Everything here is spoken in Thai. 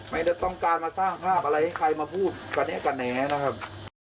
ไม่ได้ต้องการมาสร้างภาพอะไรให้ใครมาพูดกันเนี่ยกันเนี่ยนะครับ